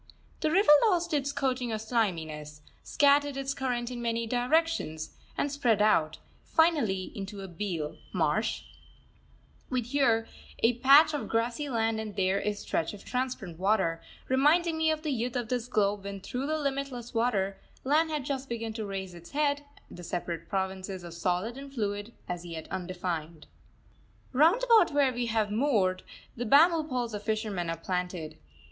The river lost its coating of sliminess, scattered its current in many directions, and spread out, finally, into a beel (marsh), with here a patch of grassy land and there a stretch of transparent water, reminding me of the youth of this globe when through the limitless waters land had just begun to raise its head, the separate provinces of solid and fluid as yet undefined. Round about where we have moored, the bamboo poles of fishermen are planted.